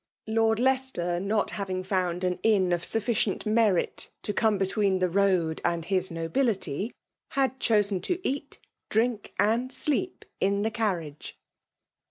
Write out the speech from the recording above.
Lord Leicester not having found an inn of sufficient merit to come between the road and his nobility, had chosen to eat^ drink, and sleep in the carriage.